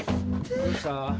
どうした？